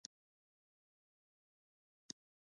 د افغانستان اقلیم د باغدارۍ لپاره ډیر مناسب دی.